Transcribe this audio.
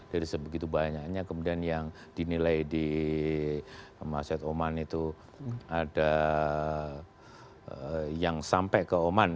dari sebegitu banyaknya kemudian yang dinilai di masjid oman itu ada yang sampai ke oman